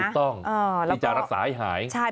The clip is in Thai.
ต้องที่จะรักษาให้หาย